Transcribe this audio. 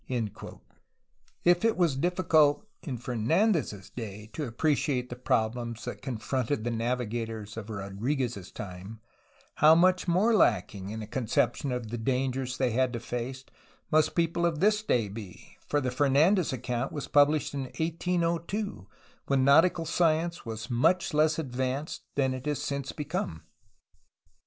If it was difficult in Fernandez's day to appreciate the prob lems that confronted the navigators of Rodriguez's time, how much more lacking in a conception of the dangers they had to face must people of this day be, for the Fernandez account was published in 1802, when nautical science was much less advanced than it has since become!